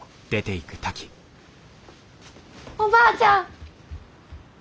おばあちゃん！